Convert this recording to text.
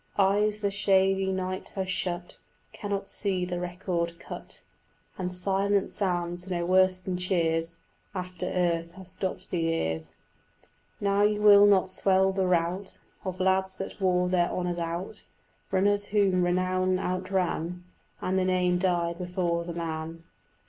Eyes the shady night has shut Cannot see the record cut, And silence sounds no worse than cheers After earth has stopped the ears: Now you will not swell the rout Of lads that wore their honours out, Runners whom renown outran And the name died before the man.